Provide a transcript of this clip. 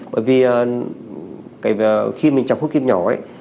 bởi vì khi mình chọc hút kim nhỏ ấy